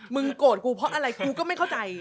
โกรธกูเพราะอะไรกูก็ไม่เข้าใจ